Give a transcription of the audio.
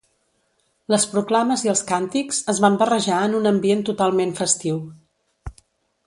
Les proclames i els càntics es van barrejar en un ambient totalment festiu.